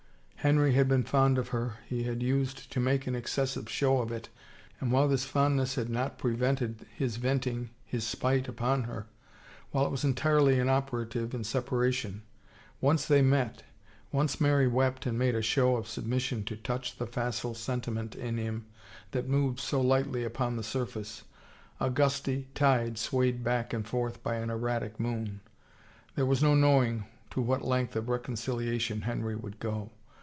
Henry had been fond of her, he had used to make an excessive show of it, and while this fondness had not prevented his venting his spite upon her, while it was entirely inoperative in separation, once 284 A RIVAL FLOUTED they met, once Mary wept and made a show of submis sion to touch the facile sentiment in him that moved so lightly upon the surface, a gusty tide swayed back and forth by an erratic moon, there was no knowing to what length of reconciliation Henry would go.